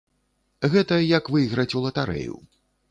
Гэта як выйграць у латарэю.